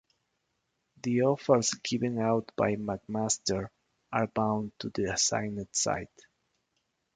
The offers given out by McMaster are bound to the assigned site.